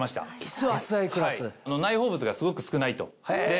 内包物がすごく少ないと。